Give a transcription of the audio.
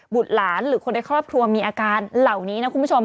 หลานหรือคนในครอบครัวมีอาการเหล่านี้นะคุณผู้ชม